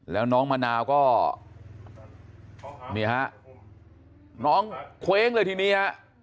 แล้วน้องมะนาวก็นี่ฮะน้องเคว้งเลยทีนี้ฮะ